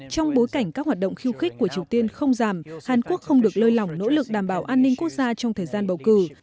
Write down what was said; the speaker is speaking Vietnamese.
trong bối cảnh các hoạt động khiêu khích của triều tiên không giảm hàn quốc không được lơi lỏng nỗ lực đảm bảo an ninh quốc gia trong thời gian bầu cử